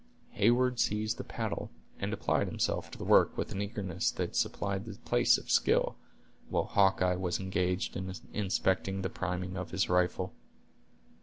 Heyward seized the paddle, and applied himself to the work with an eagerness that supplied the place of skill, while Hawkeye was engaged in inspecting the priming of his rifle.